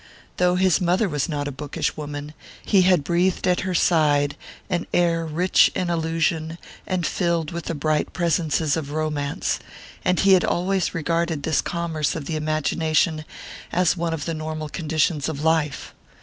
Though his mother was not a bookish woman, he had breathed at her side an air rich in allusion and filled with the bright presences of romance; and he had always regarded this commerce of the imagination as one of the normal conditions of life.